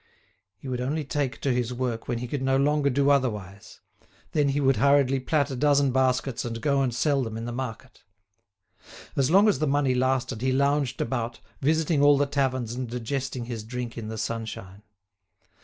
He would only take to his work when he could no longer do otherwise; then he would hurriedly plait a dozen baskets and go and sell them in the market. As long as the money lasted he lounged about, visiting all the taverns and digesting his drink in the sunshine.